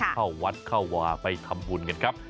เข้าวัดเข้าวาไปทำบุญกันครับ